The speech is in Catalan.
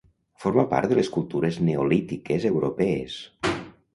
Forma part de les cultures neolítiques europees.